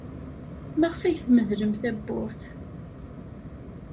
Maɣef ay tmedlem tawwurt?